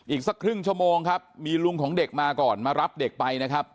อีกสักครึ่งชั่วโมงครับมีลุงของเด็กมาก่อนมารับเด็กไปนะครับ